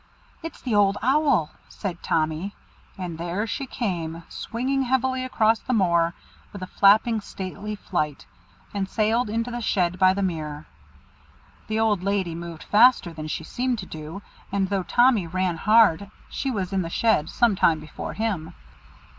"It's the Old Owl," said Tommy; and there she came, swinging heavily across the moor with a flapping stately flight, and sailed into the shed by the mere. The old lady moved faster than she seemed to do, and though Tommy ran hard she was in the shed some time before him.